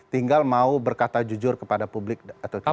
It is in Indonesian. tinggal mau berkata jujur kepada publik atau tidak